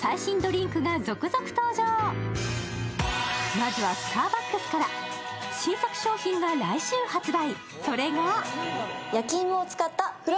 まずはスターバックスから、新作商品が来週発売。